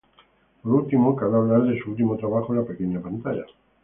Por último, cabe hablar de su último trabajo en la pequeña pantalla.